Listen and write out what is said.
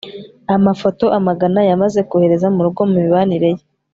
amafoto amagana yamaze kohereza murugo mumibanire ye